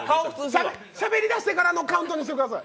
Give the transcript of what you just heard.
しゃべり出してからのカウントにしてください。